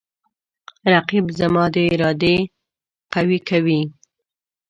رقیب زما د ارادې قوی کوي